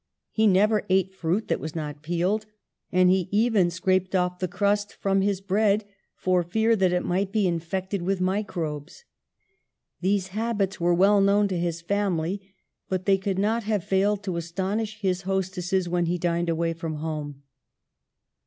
He never ate fruit that was not peeled, and he even scraped off the crust from his bread, for fear that it might be infected with microbes. These habits were well known to his family, but they could not have failed to astonish his hostesses when he dined away from home.